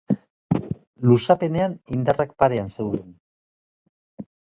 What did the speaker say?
Luzapenean indarrak parean zeuden.